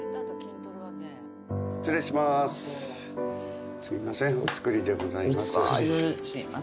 失礼します。